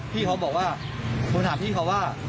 พี่เขาบอกว่าโทรหาพี่เขาว่า